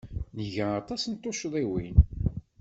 Nga aṭas n tuccḍiwin.